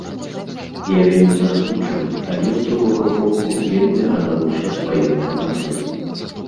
Я вельмі засмучаны, але, з другога боку, вельмі ганаруся сваёй камандай.